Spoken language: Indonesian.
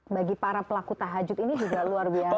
bagi para pelaku tahajud ini juga luar biasa